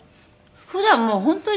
普段もう本当にね。